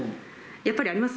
やっぱりあります？